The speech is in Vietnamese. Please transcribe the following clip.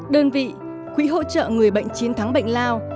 đơn vị quỹ hỗ trợ người bệnh chiến thắng bệnh lao